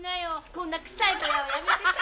こんな臭い小屋はやめてさ。